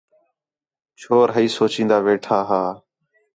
چھور ہئی سُچین٘دا ویٹھا ہا